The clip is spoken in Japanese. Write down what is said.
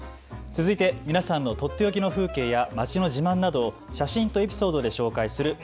続いて皆さんのとっておきの風景や町の自慢などを写真とエピソードで紹介する＃